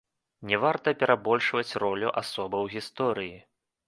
Не варта перабольшваць ролю асобы ў гісторыі.